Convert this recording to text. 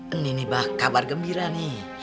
ini nih bah kabar gembira nih